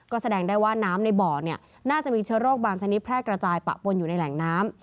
ก็แสดงได้ว่าน้ำในบ่อน่าจะมีเชื้อโรคบางชนิดแพร่กระจายปะปนอยู่ในแหล่งน้ำ